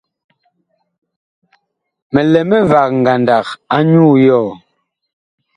Mi lɛ mivag ngandag anyuu yɔɔ.